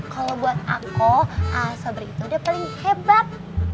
kalo buat aku sobri itu udah paling hebat